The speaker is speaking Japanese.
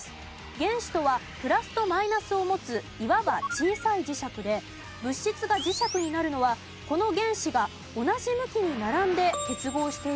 原子とはプラスとマイナスを持ついわば小さい磁石で物質が磁石になるのはこの原子が同じ向きに並んで結合しているからなんです。